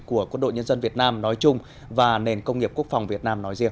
của quân đội nhân dân việt nam nói chung và nền công nghiệp quốc phòng việt nam nói riêng